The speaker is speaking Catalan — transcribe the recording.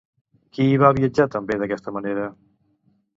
Qui hi va viatjar també d'aquesta manera?